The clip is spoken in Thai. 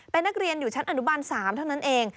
เป็นนักเรียนอยู่ชั้นอนุบาล๓เท่านั้นเอง